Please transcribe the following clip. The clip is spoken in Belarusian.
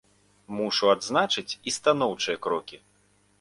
Мушу адзначыць і станоўчыя крокі.